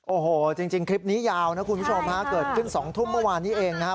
โอโหจริงจริงคลิปนี้ยาวนะคุณผู้ชมภาคเกิดเกินสองทุ่มเมื่อวานเยอะมาก